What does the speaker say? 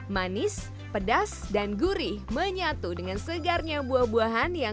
manis pedas dan gurih menyatu dengan segarnya buah buahan yang